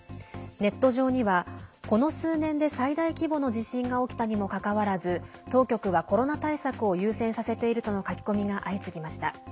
ネット上にはこの数年で最大規模の地震が起きたにもかかわらず当局はコロナ対策を優先させているとの書き込みが相次ぎました。